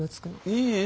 いえいえ